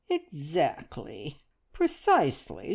"Exactly! Precisely!